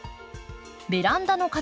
ベランダの活用